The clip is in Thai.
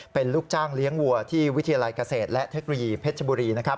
เป็นลูกจ้างเลี้ยงวัวที่วิทยาลัยเกษตรและเทคโนโลยีเพชรบุรีนะครับ